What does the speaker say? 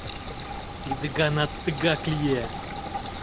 Тиде ганат тыгак лие.